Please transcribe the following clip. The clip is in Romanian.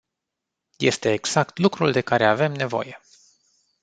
Este exact lucrul de care avem nevoie.